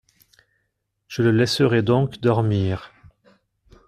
Je le laisserai donc dormir.